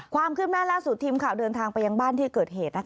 ความคืบหน้าล่าสุดทีมข่าวเดินทางไปยังบ้านที่เกิดเหตุ